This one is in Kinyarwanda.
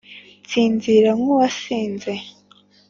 nsinzira nk’uwasinze